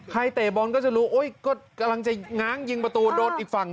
ใครเตะบอลก็จะรู้กำลังจะง้างยิงประตูโดดอีกฝั่ง